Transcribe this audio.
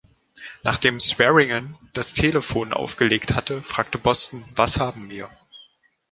‚„ Nachdem Swearingen das Telefon aufgelegt hatte, fragte Boston, „Was haben wir?